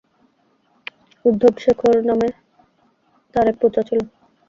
উদ্ধব শেখর নামক তার এক পুত্র ছিল।